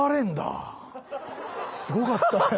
すごかったね。